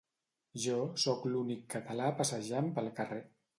Jo sóc l'únic català passejant pel carrer